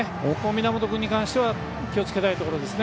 源君に関しては気をつけたいところですね。